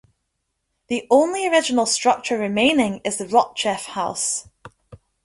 The only original structure remaining is the Rotchev House.